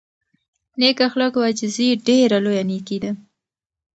نېک اخلاق او عاجزي ډېره لویه نېکي ده.